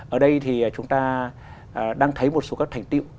ở đây thì chúng ta đang thấy một số các thành tiệu